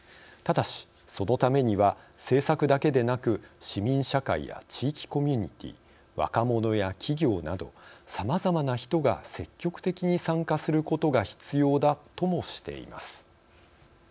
ただし、そのためには政策だけでなく市民社会や地域コミュニティー若者や企業などさまざまな人が積極的に参加することが必要だともしています。